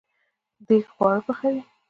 دیګ خواړه پخوي